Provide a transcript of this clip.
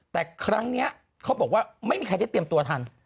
แต่ครั้งนี้เขาบอกว่าไม่มีใครได้เตรียมตัวทัน